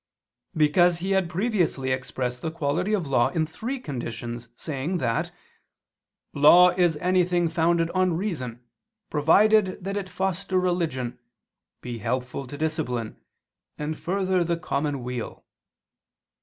Because he had previously expressed the quality of law in three conditions, saying that "law is anything founded on reason, provided that it foster religion, be helpful to discipline, and further the common weal."